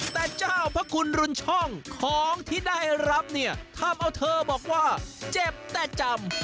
แต่เจ้าพระคุณรุนช่องของที่ได้รับเนี่ยทำเอาเธอบอกว่าเจ็บแต่จำ